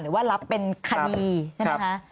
หรือว่ารับเป็นคดีใช่ไหมคะ